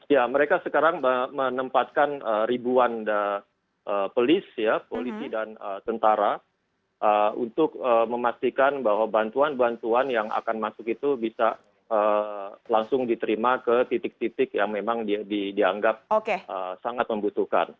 ya mereka sekarang menempatkan ribuan polisi dan tentara untuk memastikan bahwa bantuan bantuan yang akan masuk itu bisa langsung diterima ke titik titik yang memang dianggap sangat membutuhkan